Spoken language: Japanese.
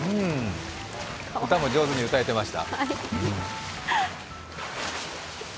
歌も上手に歌えていました。